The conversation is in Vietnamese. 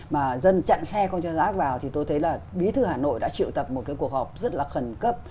mà dân chặn xe con cho rác vào thì tôi thấy là bí thư hà nội đã triệu tập một cái cuộc họp rất là khẩn cấp